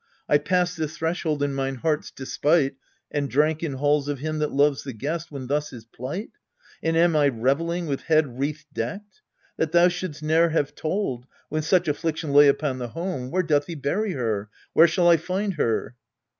I passed this threshold in mine heart's despite, And drank in halls of him that loves the guest, When thus his plight ! And am I revelling With head wreath decked? That thou should'st ne'er have told, When such affliction lay upon the home! Where doth he bury her? Where shall I find her?